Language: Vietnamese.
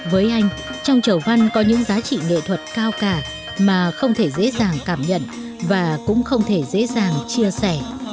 với anh trong chầu văn có những giá trị nghệ thuật cao cả mà không thể dễ dàng cảm nhận và cũng không thể dễ dàng chia sẻ